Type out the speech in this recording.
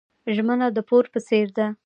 ژمنه د پور په څیر ده.